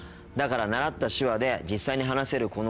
だから習った手話で実際に話せる